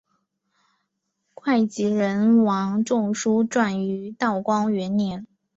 会稽人王仲舒撰于道光元年。